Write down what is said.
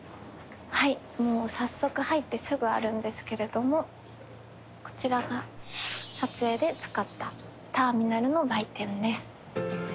はいもう早速入ってすぐあるんですけれどもこちらが撮影で使ったターミナルの売店です。